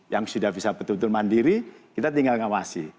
yang sudah bisa betul betul mandiri kita tinggal ngawasi